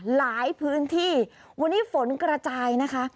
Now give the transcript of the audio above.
หลายพื้นที่วันนี้ฝนกระจายนะคะ